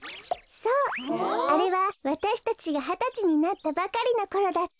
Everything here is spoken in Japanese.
そうあれはわたしたちがはたちになったばかりのころだった。